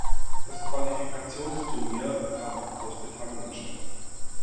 Das Qualifikationsturnier fand in Großbritannien statt.